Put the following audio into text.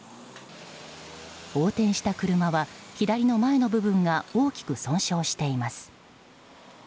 横転した車は左の前の部分が大きく損傷しています。